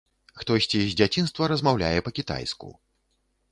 Хтосьці з дзяцінства размаўляе па-кітайску.